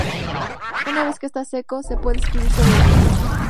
Una vez que está seco, se puede escribir sobre el mismo.